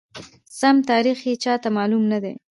سم تاریخ یې چاته معلوم ندی،